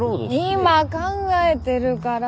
今考えてるから。